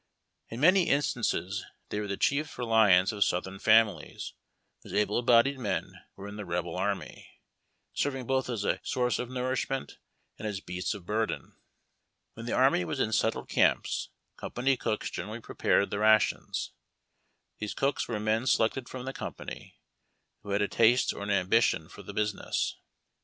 Tn many instances they were the chief reliance of Soutliern families, whose able bodied men were in the Rebel army, servinff both as a source of nourishment and as beasts of burden. When the army was in settled camp, company cooks gen erally pre[)ai'ed the rations. These cooks were men selected from the company, who had a taste or an ambition for the business.